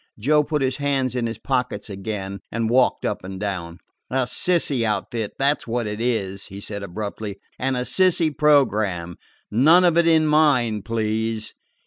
Joe put his hands in his pockets again, and walked up and down. "A sissy outfit, that 's what it is," he said abruptly; "and a sissy program. None of it in mine, please."